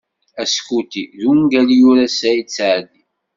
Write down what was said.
"Askuti" d ungal i yura Saɛid Saɛdi.